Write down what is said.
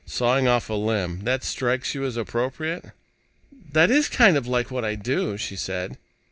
Sawing off a limb that strikes you as appropriate?" "That is kind of like what I do," she said.